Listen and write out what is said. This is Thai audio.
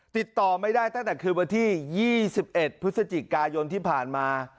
ติดต่อไม่ได้ตั้งแต่คืนวันที่๒๑พฤศจิกายนที่ผ่านมา